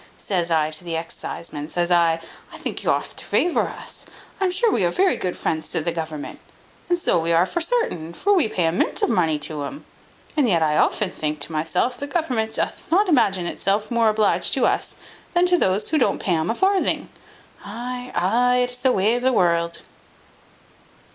Says I to the exciseman, says I, I think you oft to favour us; I am sure we are very good friends to the government: and so we are for sartain, for we pay a mint of money to 'um. And yet I often think to myself the government doth not imagine itself more obliged to us, than to those that don't pay 'um a farthing. Ay, ay, it is the way of the world."